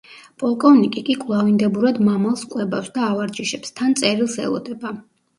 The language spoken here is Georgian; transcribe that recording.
პოლკოვნიკი კი კვლავინდებურად მამალს კვებავს და ავარჯიშებს, თან წერილს ელოდება.